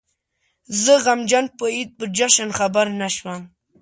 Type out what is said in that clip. زه غمجن په عيد په جشن خبر نه شوم